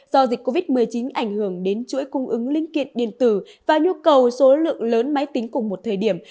do dịch covid một mươi chín ảnh hưởng đến chuỗi cung ứng linh kiện điện tử và nhu cầu số lượng lớn máy tính cùng một thời điểm